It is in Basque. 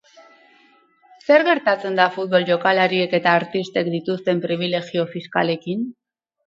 Zer gertatzen da futbol jokalariek eta artistek dituzten pribilejio fiskalekin?